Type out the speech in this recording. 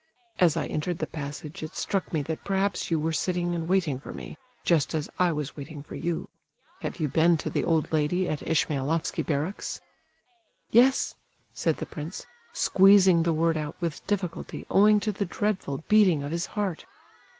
"As I entered the passage it struck me that perhaps you were sitting and waiting for me, just as I was waiting for you. Have you been to the old lady at Ismailofsky barracks?" "Yes," said the prince, squeezing the word out with difficulty owing to the dreadful beating of his heart.